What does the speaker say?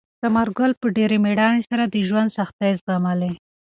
ثمر ګل په ډېرې مېړانې سره د ژوند سختۍ زغملې.